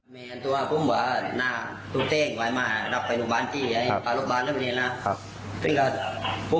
แลพแลพ